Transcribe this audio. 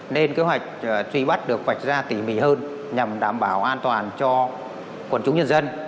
nên kế hoạch truy bắt được vạch ra tỉ mỉ hơn nhằm đảm bảo an toàn cho quần chúng nhân dân